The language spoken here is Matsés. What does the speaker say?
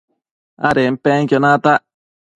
adenpenquio natac